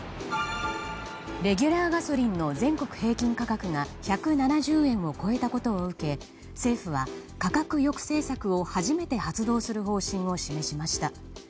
レギュラーガソリンの全国平均価格が１７０円を超えたことを受け政府は価格抑制策を初めて発動する方針を示しました。